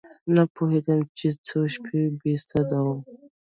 نه پوهېدم چې څو شپې بې سده وم.